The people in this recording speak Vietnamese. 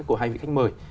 của hai vị khách mời